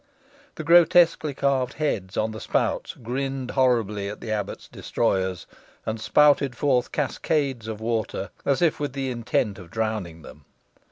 The grotesquely carved heads on the spouts grinned horribly at the abbot's destroyers, and spouted forth cascades of water, as if with the intent of drowning them.